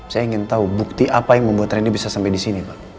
saya ingin tahu bukti apa yang membuat randy bisa sampai disini pak